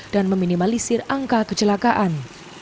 dan meminimalisir angka kecelakaan